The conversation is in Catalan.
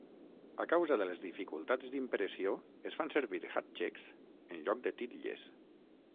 A causa de les dificultats d'impressió es fan servir hàtxeks en lloc de titlles.